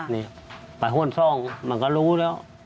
ไปรอยไปมันก็รู้แล้ว